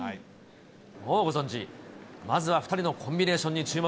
もうご存じ、まずは２人のコンビネーションに注目。